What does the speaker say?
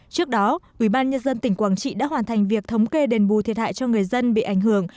trước đó ubnd tỉnh quảng trị đã hoàn thành việc thống kê đền bù thiệt hại cho người dân bị ảnh hưởng